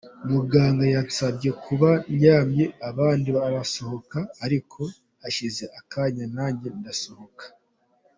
Muganga yansabye kuba ndyamye abandi barasohoka, ariko hashize akanya nanjye ndasohoka.